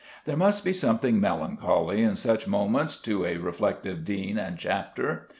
There must be something melancholy in such moments to a reflective dean and chapter.